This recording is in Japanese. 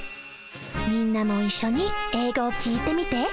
みんなもいっしょに英語を聞いてみて！